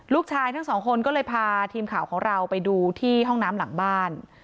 ลูกชายทั้งสองคนก็เลยพาทีมข่าวของเราไปดูที่ห้องน้ำหลังบ้าน